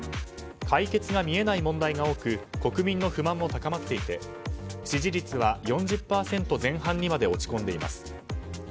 解決が見えない問題が多く国民の不満も高まっていて支持率は４０％前半にまで落ち込んでいます。